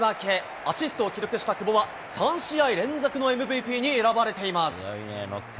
アシストを記録した久保は３試合連続のＭＶＰに選ばれています。